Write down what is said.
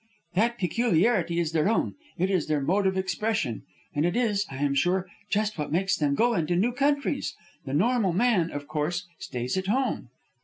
That peculiarity is their own; it is their mode of expression. And it is, I am sure, just what makes them go into new countries. The normal man, of course, stays at home."